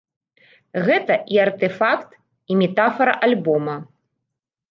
Гэта і артэфакт, і метафара альбома.